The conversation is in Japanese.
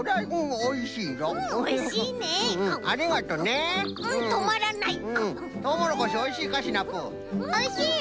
おいしいよ！